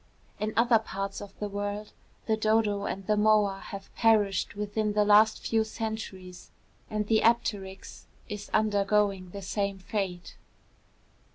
In other parts of the world, the dodo and the moa have perished within the last few centuries; and the apteryx is undergoing the same fate.